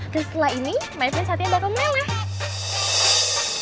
dan setelah ini my prince hatinya bakal meleh